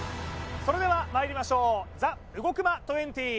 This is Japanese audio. それではまいりましょうＴＨＥ動く的２０